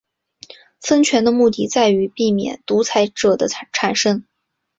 分权的目的在于避免独裁者的产生。